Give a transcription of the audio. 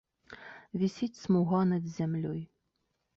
Вісіць смуга над зямлёй.